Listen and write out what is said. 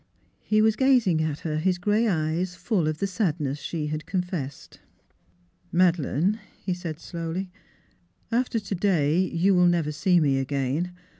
He was gazing at her, his gray eyes full of the sadness she had confessed. " Madeleine," he said slowly, " after today you will never see me again. ...